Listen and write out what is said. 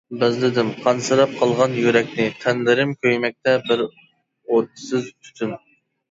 بەزلىدىم قانسىراپ قالغان يۈرەكنى، تەنلىرىم كۆيمەكتە بىر ئوتسىز تۈتۈن.